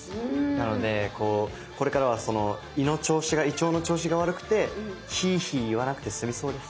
なのでこれからは胃の調子が胃腸の調子が悪くてヒーヒー言わなくて済みそうです。